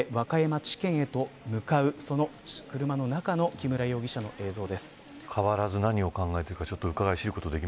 この後、和歌山西署を出て和歌山地検へと向かうその車の中の木村容疑者の映像です。